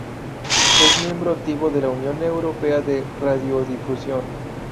Es miembro activo de la Unión Europea de Radiodifusión.